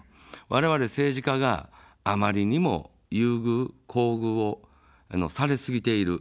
われわれ政治家があまりにも優遇、厚遇をされすぎている。